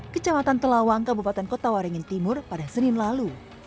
kecamatan telawang kabupaten kota waringin timur pada senin lalu